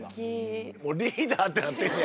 「リーダー」ってなってんのや。